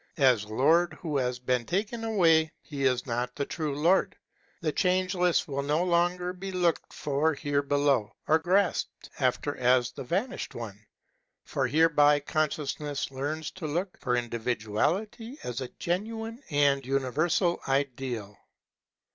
As Lord who has been taken away he is not the true Lord. The Changeless will no longer be looked for here below, or grasped after as the vanished one. For hereby consciousness learns to look for individuality as a genuine and universal ideal.